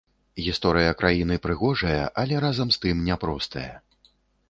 Гісторыя краіны прыгожая, але разам з тым няпростая.